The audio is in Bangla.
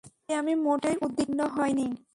তাই আমি মোটেই উদ্বিগ্ন হইনি।